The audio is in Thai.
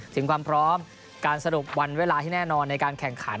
ถึงความพร้อมการสรุปวันเวลาที่แน่นอนในการแข่งขัน